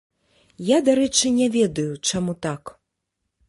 Я, дарэчы, не ведаю, чаму так.